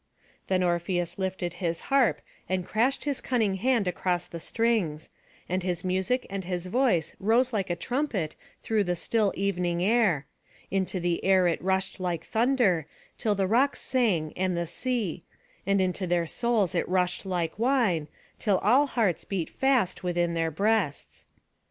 Then Orpheus lifted his harp, and crashed his cunning hand across the strings; and his music and his voice rose like a trumpet through the still evening air; into the air it rushed like thunder, till the rocks rang and the sea; and into their souls it rushed like wine, till all hearts beat fast within their breasts.